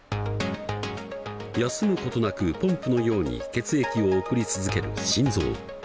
休むことなくポンプのように血液を送り続ける心臓。